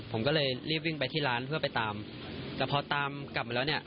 ผมก็เลยรีบวิ่งไปที่ร้านเพื่อไปตามแต่พอตามกลับมาแล้วเนี่ย